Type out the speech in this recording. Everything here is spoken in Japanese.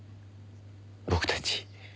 僕たち。